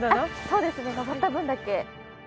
そうですね登った分だけ。